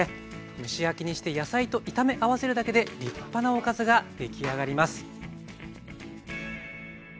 蒸し焼きにして野菜と炒め合わせるだけで立派なおかずが出来上がります。